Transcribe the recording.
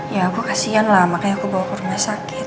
ya aku kasian lah makanya aku bawa ke rumah sakit